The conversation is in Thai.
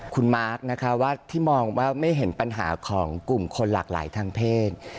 คุณมาร์คนะคะว่าที่มองว่าไม่เห็นปัญหาของกลุ่มคนหลากหลายทางเพศ